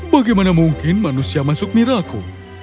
bagaimana mungkin manusia masuk miraku